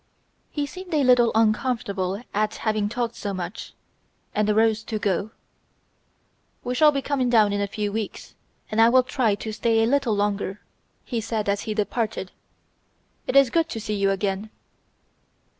He seemed a little uncomfortable at having talked so much, and arose to go. "We shall be coming down in a few weeks and I will try to stay a little longer," he said as he departed. "It is good to see you again."